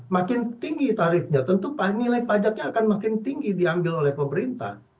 makin tinggi tarifnya tentu nilai pajaknya akan makin tinggi diambil oleh pemerintah